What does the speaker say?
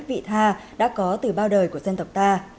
vị tha đã có từ bao đời của dân tộc ta